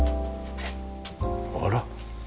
あら？